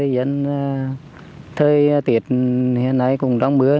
dân thời tiết hiện nay cũng đông bữa